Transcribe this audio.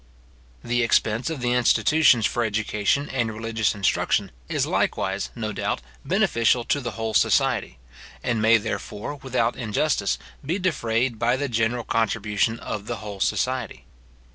The expense of the institutions for education and religious instruction, is likewise, no doubt, beneficial to the whole society, and may, therefore, without injustice, be defrayed by the general contribution of the whole society.